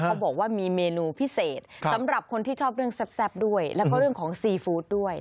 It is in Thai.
เขาบอกว่ามีเมนูพิเศษสำหรับคนที่ชอบเรื่องแซ่บด้วยแล้วก็เรื่องของซีฟู้ดด้วย